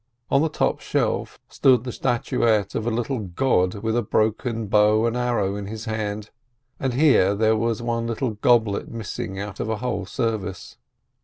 On the top shelf stood the statuette of a little god with a broken bow and arrow in his hand, and here there was one little goblet missing out of a whole service.